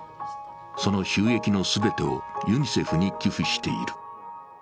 その収益の全てをユニセフに寄付している。